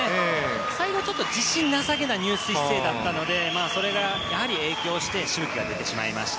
最後、ちょっと自信なさげな入水姿勢だったのでそれがやはり影響してしまいました。